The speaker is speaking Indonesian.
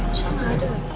mas ini dia